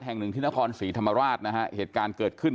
แห่งหนึ่งที่นครศรีธรรมราชนะฮะเหตุการณ์เกิดขึ้น